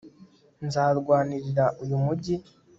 nzarwanirira uyu mugi